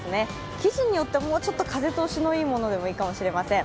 生地によってもうちょっと風通しのいいものでもいいかもしれません。